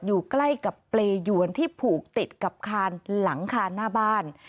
อยู่ใกล้กับเปรยวนที่ผูกติดกับคานหลังคาหน้าบ้าน